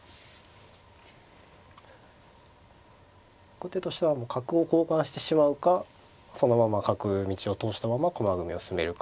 後手としては角を交換してしまうかそのまま角道を通したまま駒組みを進めるか。